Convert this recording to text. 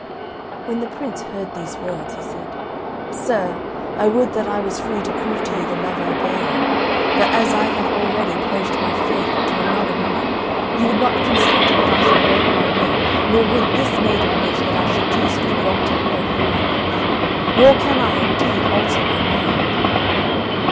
When the Prince heard these words, he said, "Sir, I would that I was free to prove to you the love I bear you. But as I have already pledged my faith to another woman, you would not consent that I should break my word, nor would this maiden wish that I should do such a wrong to her whom I love; nor can I, indeed, alter my mind!"